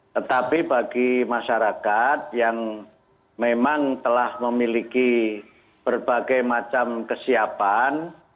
tetapi bagi masyarakat yang memang telah memiliki berbagai macam kesiapan